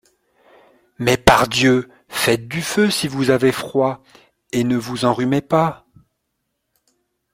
Mais, par Dieu ! Faites du feu si vous avez froid, et ne vous enrhumez pas.